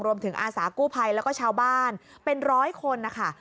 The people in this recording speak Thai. อาสากู้ภัยแล้วก็ชาวบ้านเป็นร้อยคนนะคะ